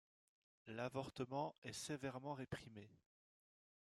L'avortement est sévèrement réprimé.